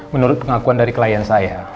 menurut pengakuan dari klien saya